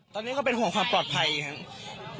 ตอนนี้ก็เป็นห่วงความปลอดภัยครับ